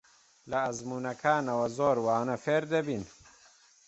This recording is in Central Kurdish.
لە ئەزموونەکانەوە زۆر وانە فێر دەبین.